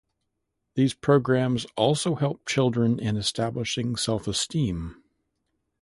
These programs also help children in establishing self-esteem.